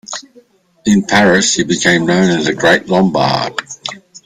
In Paris he became known as "the Great Lombard".